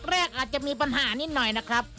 แรกอาจจะมีปัญหานิดหน่อยนะครับ